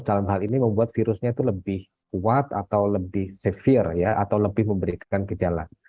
dalam hal ini membuat virusnya itu lebih kuat atau lebih severe ya atau lebih memberikan gejala